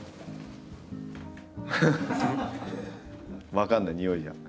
分かんないにおいじゃ。